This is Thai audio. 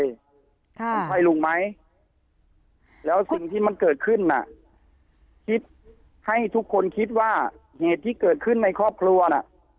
มันใช่ลุงไหมแล้วสิ่งที่มันเกิดขึ้นน่ะคิดให้ทุกคนคิดว่าเหตุที่เกิดขึ้นในครอบครัวน่ะ